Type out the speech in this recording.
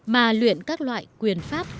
mà luyện các loại quyền pháp